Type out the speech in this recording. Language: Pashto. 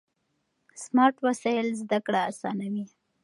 سمارټ وسایل زده کړه اسانوي.